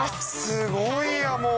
すごいや、もう。